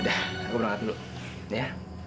udah aku berangkat dulu ya